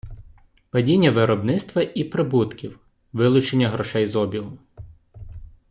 Падіння виробництва і прибутків - вилучення грошей з обігу.